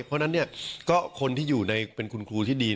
เพราะฉะนั้นก็คนที่อยู่ในเป็นคุณครูที่ดี